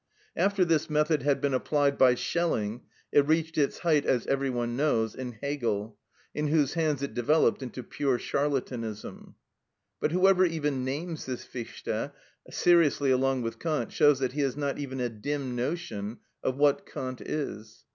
After this method had been applied by Schelling, it reached its height, as every one knows, in Hegel, in whose hands it developed into pure charlatanism. But whoever even names this Fichte seriously along with Kant shows that he has not even a dim notion of what Kant is.